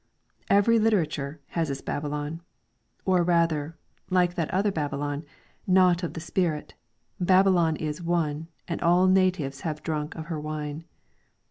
Every literature has its Babylon. Or rather, like that other Babylon, not of the spirit, Babylon is one, and all nations have drunk of her wine.